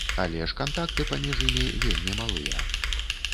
Але ж кантакты паміж імі вельмі малыя.